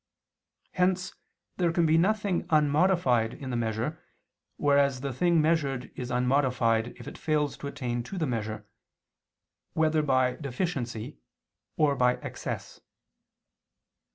Hence there can be nothing unmodified in the measure whereas the thing measured is unmodified if it fails to attain to the measure, whether by deficiency or by excess.